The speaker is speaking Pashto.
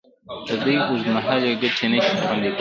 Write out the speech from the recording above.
د دوی اوږدمهالې ګټې نشي خوندي کولې.